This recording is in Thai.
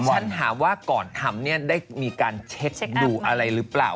ฉันถามว่าก่อนทำเนี่ยได้มีการเช็คดูอะไรหรือเปล่า